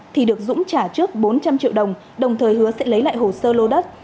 thì được dũng trả trước bốn trăm linh triệu đồng đồng thời hứa sẽ lấy lại hồ sơ lô đất